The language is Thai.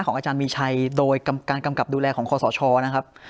อาจารย์มีชัยโดยการกำกับดูแลของคอสชนะครับ